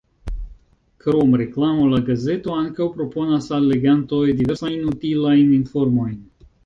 Krom reklamo, la gazeto ankaŭ proponas al legantoj diversajn utilajn informojn.